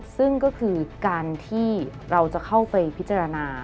ซึ่งก็คือการที่เราจะเข้าไปพิจารณา